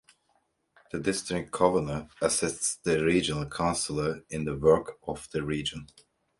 The District Convener assists the Regional Councillor in the work of the Region.